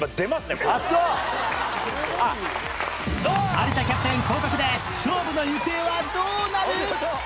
有田キャプテン降格で勝負の行方はどうなる！？